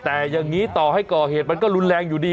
แต่อย่างนี้ต่อให้ก่อเหตุมันก็รุนแรงอยู่ดี